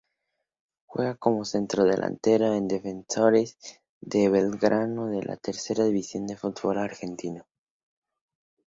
Juega como centrodelantero en Defensores de Belgrano de la tercera división del fútbol argentino.